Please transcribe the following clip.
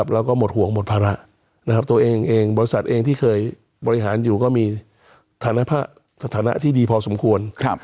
แล้วก็หมดห่วงหมดภาระตัวเองเองบริษัทเองที่เคยบริหารอยู่ก็มีฐานะสถานะที่ดีพอสมควร